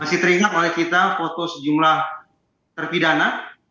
masih teringat oleh kita foto sejumlah terpidana